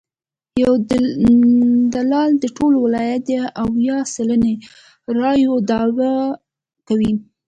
یو دلال د ټول ولایت د اویا سلنې رایو دعوی کوي.